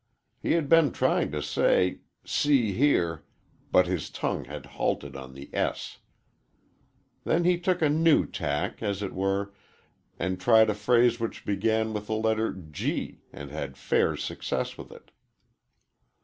He had been trying to say "See here," but his tongue had halted on the s. Then he took a new tack, as it were, and tried a phrase which began with the letter g, and had fair success with it.